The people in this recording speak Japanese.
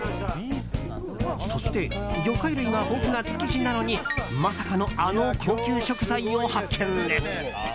そして魚介類が豊富な築地なのにまさかのあの高級食材を発見です。